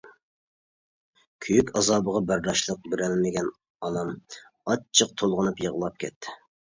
كۆيۈك ئازابىغا بەرداشلىق بېرەلمىگەن ئانام ئاچچىق تولغىنىپ يىغلاپ كەتتى.